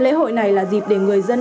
lễ hội này là dịp để người dân